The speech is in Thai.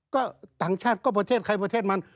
ก็ต่างชาติก็ประเทศใครประเทศมัน